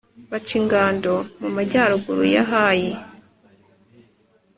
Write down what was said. baca ingando mu majyaruguru ya hayi